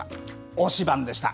推しバン！でした。